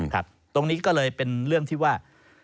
ตรงนี้ก็เลยเป็นเรื่องที่ว่า